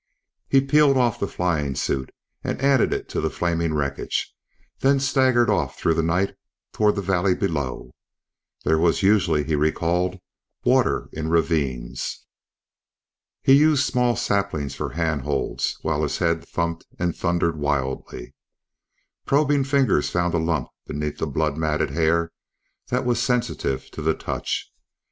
He peeled off the flying suit and added it to the flaming wreckage, then staggered off through the night toward the valley below. There was usually, he recalled, water in ravines. He used small saplings for handholds while his head thumped and thundered wildly. Probing fingers found a lump beneath blood matted hair that was sensitive to the touch.